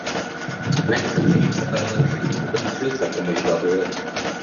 Однако Конференция по разоружению не подлежит какому-либо обзору.